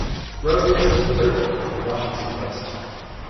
Rose was the theatre critic for the "Washington Post".